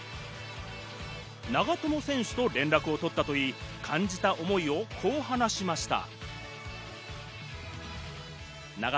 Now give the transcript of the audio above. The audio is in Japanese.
長友選手と連絡を取ったといい、感じた思いをこう話しました。